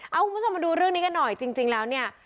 เอาคุณผู้ชมมาดูเรื่องนี้กันหน่อยจริงแล้วเนี่ย